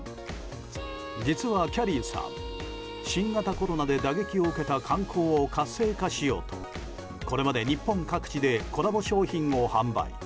実は、きゃりーさん新型コロナで打撃を受けた観光を活性化しようとこれまで日本各地でコラボ商品を販売。